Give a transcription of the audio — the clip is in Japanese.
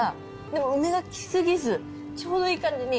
でも梅が来過ぎずちょうどいい感じに。